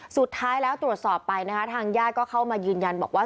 สุดท้ายแล้วตรวจสอบไปนะคะทางญาติก็เข้ามายืนยันบอกว่า